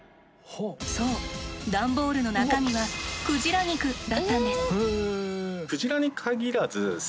そう段ボールの中身はクジラ肉だったんです。